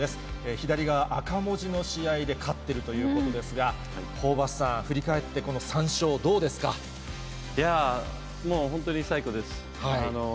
左側、赤文字の試合で勝ってるということですが、ホーバスさん、もう本当に最高です。